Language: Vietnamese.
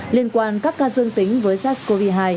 liên quan các ca dương tính với sars cov hai